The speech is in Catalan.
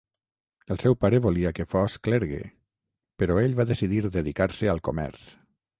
El seu pare volia que fos clergue, però ell va decidir dedicar-se al comerç.